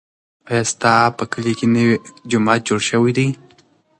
ایا ستا په کلي کې نوی جومات جوړ شوی دی؟